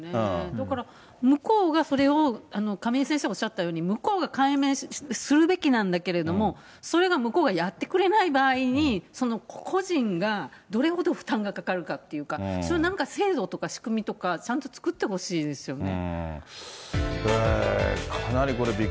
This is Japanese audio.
だから向こうが、亀井先生おっしゃったように、向こうが解明するべきなんだけれども、それが向こうがやってくれない場合に、個人がどれほど負担がかかるかっていうか、それ、なんか制度とか仕組みとか、ちゃんと作ってほしいですよね。